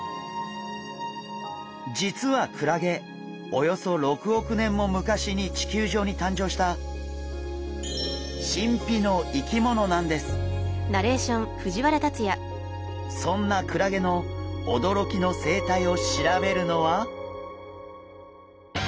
実はクラゲおよそ６億年も昔に地球上に誕生したそんなクラゲのおどろきの生態を調べるのは？